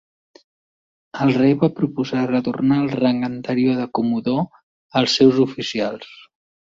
El Rei va proposar retornar el rang anterior de "comodor" als seus oficials.